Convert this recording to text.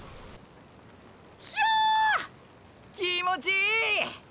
気持ちいいッ！！